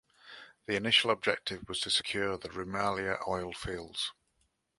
The initial objective was to secure to Rumalia Oilfields.